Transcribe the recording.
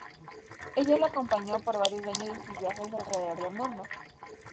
Ella lo acompañó por varios años en sus viajes alrededor del mundo.